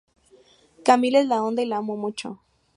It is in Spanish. Camila es la onda y la amo mucho